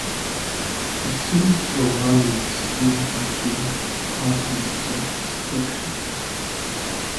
The scenic surroundings is much used for conferences and excursions.